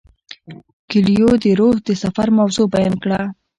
کویلیو د روح د سفر موضوع بیان کړه.